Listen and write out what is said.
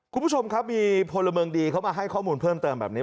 คุณผู้ชมครับมีพลเมืองดีเขามาให้ข้อมูลเพิ่มเติมแบบนี้